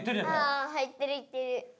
あ言ってる言ってる。